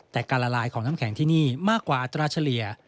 แต่การละลายของน้ำแข็งที่นี่มากกว่าอัตราเฉลี่ย